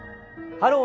「ハロー！